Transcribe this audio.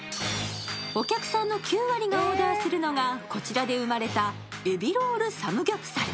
お客さんの９割がオーダーするのがこちらで生まれたエビロールサムギョプサル。